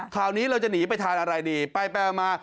คราวนี้เราจะหนีไปทานอะไรดีไปมา